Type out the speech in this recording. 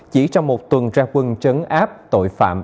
chỉ trong một tuần ra quân trấn áp tội phạm